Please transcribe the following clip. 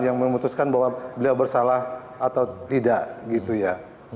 yang memutuskan bahwa beliau bersalah atau tidak gitu ya